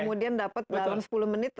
kemudian dapat dalam sepuluh menit